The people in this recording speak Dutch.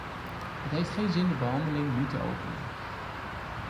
Het heeft geen zin de behandeling nu te openen.